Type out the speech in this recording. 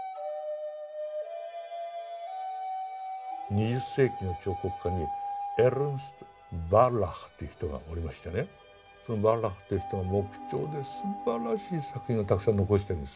２０世紀の彫刻家にエルンスト・バルラハという人がおりましてねそのバルラハという人が木彫ですばらしい作品をたくさん残してるんです。